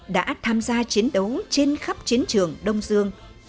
đã tham gia chiến đấu trên khắp chiến trường đông dương